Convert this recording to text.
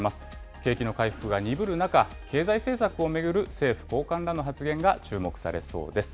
景気の回復が鈍る中、経済政策を巡る政府高官らの発言が注目されそうです。